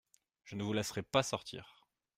Je ne vous laisserai pas sortir.